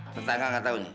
tetangga nggak tahu nih